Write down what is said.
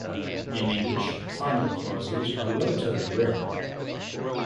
In English, final clauses are relatively rare.